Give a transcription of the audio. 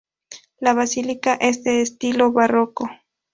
La basílica es de estilo barroco.